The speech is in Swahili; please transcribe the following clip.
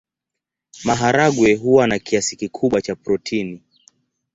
Maharagwe huwa na kiasi kikubwa cha protini.